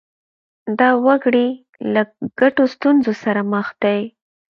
دا وګړي له ګڼو ستونزو سره مخ دي.